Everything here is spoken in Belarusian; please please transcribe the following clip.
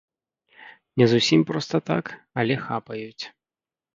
Не зусім проста так, але хапаюць.